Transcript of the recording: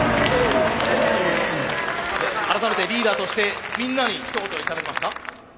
改めてリーダーとしてみんなにひと言頂けますか？